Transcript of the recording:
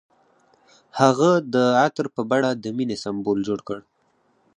هغه د عطر په بڼه د مینې سمبول جوړ کړ.